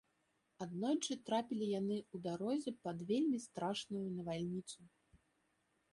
Аднойчы трапілі яны ў дарозе пад вельмі страшную навальніцу.